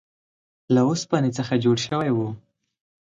له اوسپنې څخه جوړ شوی و.